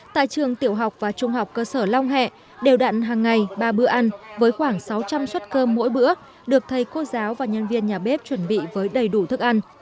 tại trường tiểu học và trung học cơ sở long hẹ đều đặn hàng ngày ba bữa ăn với khoảng sáu trăm linh suất cơm mỗi bữa được thầy cô giáo và nhân viên nhà bếp chuẩn bị với đầy đủ thức ăn